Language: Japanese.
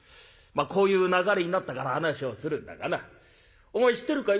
こういう流れになったから話をするんだがなお前知ってるかい？